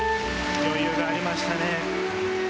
余裕がありましたね。